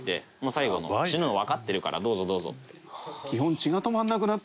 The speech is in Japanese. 最後死ぬのわかってるからどうぞどうぞって。